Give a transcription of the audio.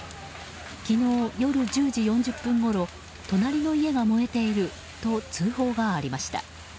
昨日夜１０時４０分ごろ隣の家が燃えていると通報がありました。